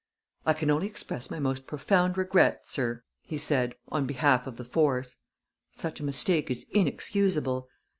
"I can only express my most profound regret, sir," he said, "on behalf, of the force. Such a mistake is inexcusable.